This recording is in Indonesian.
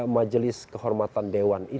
majelis kehormatan dewan itu